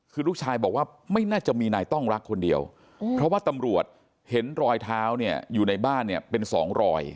คือลูกชายบอกว่าไม่น่าจะมีนายต้องรักคนเดียวเพราะว่าตำรวจเห็นรอยเท้าเนี่ยอยู่ในบ้านเนี่ยเป็นสองรอย